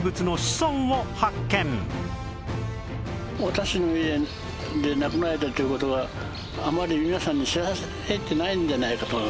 私の家で亡くなられたっていう事はあまり皆さんに知られてないんじゃないかと思います。